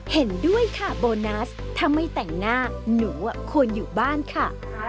เห็นด้วยค่ะโบนัสถ้าไม่แต่งหน้าหนูควรอยู่บ้านค่ะ